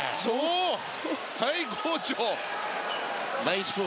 最高潮！